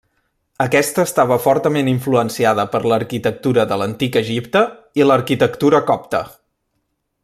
Aquesta estava fortament influenciada per l'arquitectura de l'antic Egipte i l'arquitectura copta.